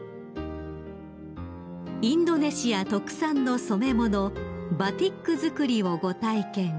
［インドネシア特産の染め物バティック作りをご体験］